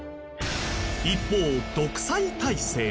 一方独裁体制は。